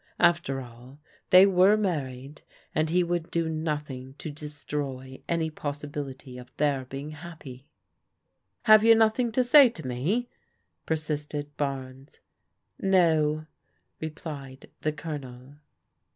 After all, they were married, and he would do nothing to destroy any pos sibility of their being happy. Have you nothing to say to me?" persisted Barnes. No," replied the Colonel.